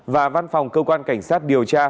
và văn phòng cơ quan cảnh sát điều tra